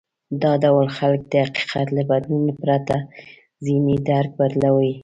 دا ډول خلک د حقيقت له بدلولو پرته ذهني درک بدلوي.